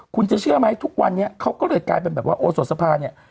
คุณจะเชื่อไหมทุกวันเขาก็เรียกกลายโอสทศพา